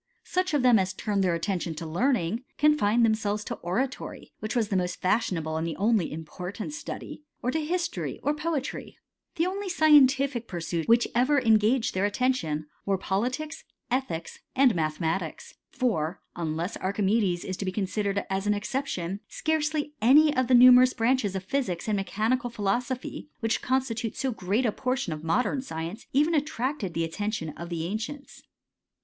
Such of tlw as turned their attention to learning confined the selves to oratory j which was the most fashionft' and the most important study, or to history, or poet The only scientific pursuits which ever engaged d attention, were politics, ethics, and mathematics, r unless Archimedes is to be considered as an except! Scarcely any of the numerous branches of physics i mechanical philosophy, which constitute so gMd portion of modern science, even attracted the ait tion of the ancients.